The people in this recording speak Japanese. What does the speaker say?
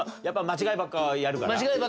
間違いばっかやるから。